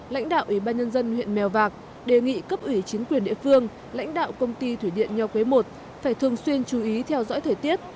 lãnh đạo ủy ban nhân dân huyện mèo vạc đề nghị cấp ủy chính quyền địa phương lãnh đạo công ty thủy điện nho quế i phải thường xuyên chú ý theo dõi thời tiết